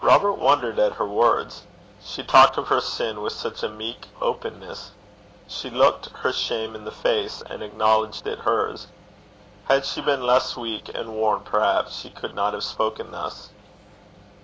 Robert wondered at her words. She talked of her sin with such a meek openness! She looked her shame in the face, and acknowledged it hers. Had she been less weak and worn, perhaps she could not have spoken thus.